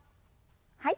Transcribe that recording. はい。